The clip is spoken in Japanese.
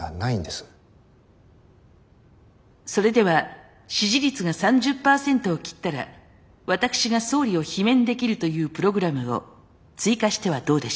それでは支持率が３０％を切ったら私が総理を罷免できるというプログラムを追加してはどうでしょう。